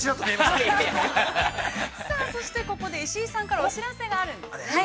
◆さあ、そして、ここで石井さんからお知らせがあるんですね。